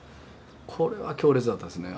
これは強烈だったですね。